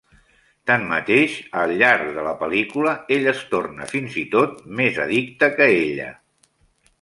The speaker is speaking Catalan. Tanmateix, al llarg de la pel·lícula ell es torna fins i tot més addicte que ella.